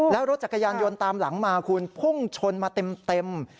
แล้วรถจักรยานยนต์ตามหลังมาคุณพุ่งชนมาเต็ม